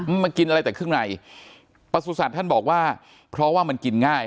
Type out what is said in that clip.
มากินอะไรแต่ข้างในประสุทธิ์ท่านบอกว่าเพราะว่ามันกินง่าย